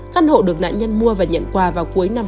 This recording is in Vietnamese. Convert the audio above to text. căn hộ được nạn nhân mua và nhận quà vào cuối năm hai nghìn hai mươi